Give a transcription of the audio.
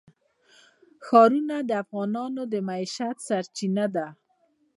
ښارونه د افغانانو د معیشت سرچینه ده.